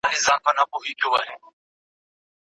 تا سالو زما له منګولو کشولای